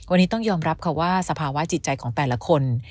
วันนี้ต้องยอมรับค่ะว่าสภาวะจิตใจของแต่ละคน